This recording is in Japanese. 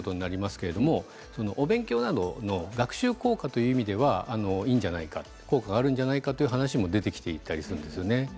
けれどお勉強などの学習効果という意味ではいいんじゃないか効果があるんじゃないかっていう話も出てきていたりするんですよね。